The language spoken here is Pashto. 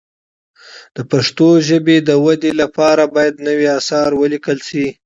د پښتو ژبې د ودې لپاره باید نوي اثار ولیکل شي.